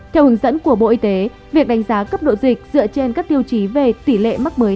theo hướng dẫn của bộ y tế việc đánh giá cấp độ dịch dựa trên các tiêu chí về tỷ lệ mắc mới